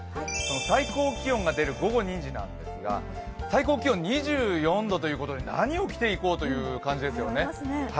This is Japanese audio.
最高気温が出る午後２時なんですが最高気温２４度ということで何を着ていこうという感じですよね。